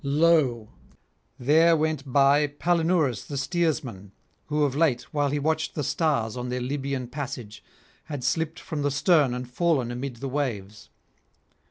[337 369]Lo, there went by Palinurus the steersman, who of late, while he watched the stars on their Libyan passage, had slipped from the stern and fallen amid the waves.